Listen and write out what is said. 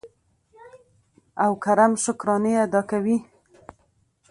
او کرم شکرانې ادا کوي.